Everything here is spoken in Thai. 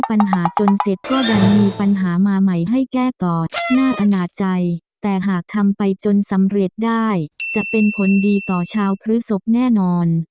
ปัญหาจนเสร็จก็ดันมีปัญหามาใหม่ให้แก้กอดน่าอนาจใจแต่หากทำไปจนสำเร็จได้จะเป็นผลดีต่อชาวพฤศพแน่นอน